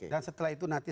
dan setelah itu nanti